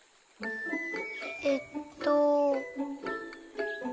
えっと。